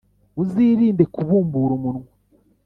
uzirinde kubumbura umunwa,